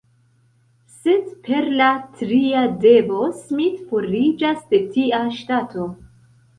Sed per la tria devo Smith foriĝas de tia ŝtato.